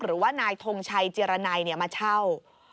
หรือว่านายทงชัยเจรนัยมาเช่า